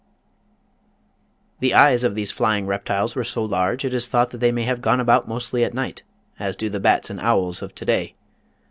The eyes of these flying reptiles were so large it is thought they may have gone about mostly at night, as do the bats and owls of to day.